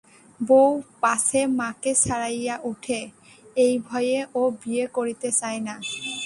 বউ পাছে মাকে ছাড়াইয়া উঠে, এই ভয়ে ও বিয়ে করিতে চায় না।